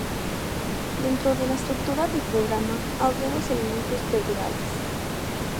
Dentro de la estructura del programa, había dos elementos perdurables.